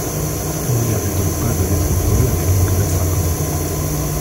Il n’y avait donc pas de métropole avec Nicolas Sarkozy.